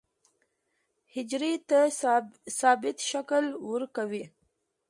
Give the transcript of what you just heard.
حجرې ته ثابت شکل ورکوي.